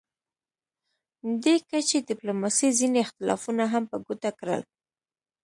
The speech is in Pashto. دې کچې ډیپلوماسي ځینې اختلافونه هم په ګوته کړل